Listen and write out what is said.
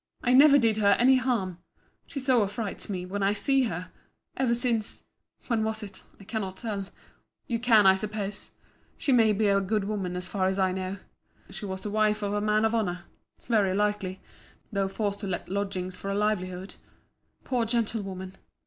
—I never did her any harm. She so affrights me, when I see her!—Ever since—when was it? I cannot tell. You can, I suppose. She may be a good woman, as far as I know. She was the wife of a man of honour—very likely—though forced to let lodgings for a livelihood. Poor gentlewoman!